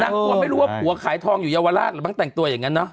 กลัวไม่รู้ว่าผัวขายทองอยู่เยาวราชหรือมั้งแต่งตัวอย่างนั้นเนาะ